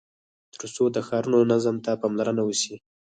تر څو د ښارونو نظم ته پاملرنه وسي.